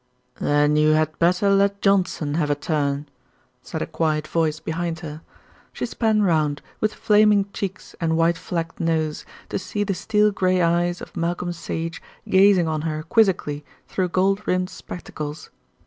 "Then you had better let Johnson have a turn," said a quiet voice behind her. She span round, with flaming cheeks and white flecked nose, to see the steel grey eyes of Malcolm Sage gazing on her quizzically through gold rimmed spectacles.